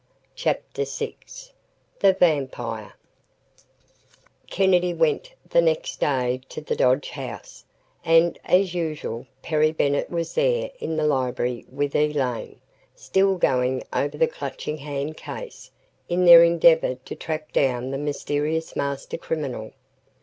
CHAPTER VI THE VAMPIRE Kennedy went the next day to the Dodge house, and, as usual, Perry Bennett was there in the library with Elaine, still going over the Clutching Hand case, in their endeavor to track down the mysterious master criminal.